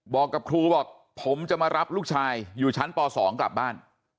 บอกกับครูบอกผมจะมารับลูกชายอยู่ชั้นป๒กลับบ้าน